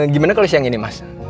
gimana kalau siang ini mas